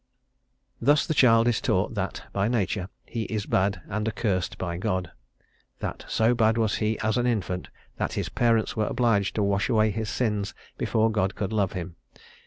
Thus the child is taught that, by nature, he is bad and accursed by God; that so bad was he as an infant, that his parents were obliged to wash away his sins before God would love him.